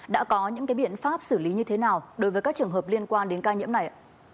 đã có những biện pháp xử lý như thế nào đối với các trường hợp liên quan đến ca nhiễm này ạ